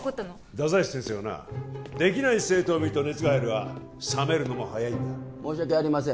太宰府先生はなできない生徒を見ると熱が入るが冷めるのも早いんだ申し訳ありません